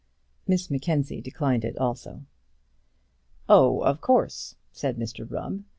Miss Mackenzie declined it also. "Oh, of course," said Mr Rubb.